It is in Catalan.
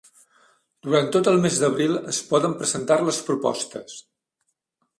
Durant tot el mes d'abril es poden presentar les propostes.